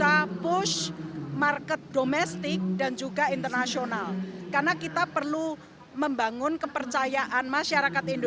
ane berharap jmwf dua ribu dua puluh satu dapat merangkul berbagai elemen masyarakat